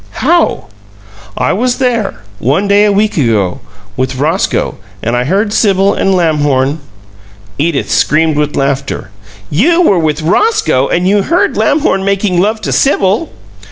"How?" "I was there, one day a week ago, with Roscoe, and I heard Sibyl and Lamhorn " Edith screamed with laughter. "You were with ROSCOE and you heard Lamhorn making love to Sibyl!"